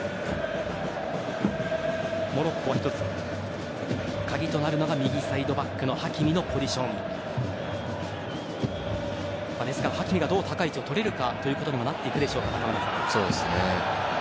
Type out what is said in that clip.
モロッコは１つ鍵となるのが右サイドバックのハキミのポジション。ですから、ハキミがどう高い位置をとれるかというところにもなっていくでしょうか。